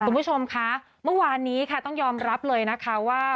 คุณผู้ชมคะเมื่อวานนี้ค่ะต้องยอมรับเลยนะคะว่า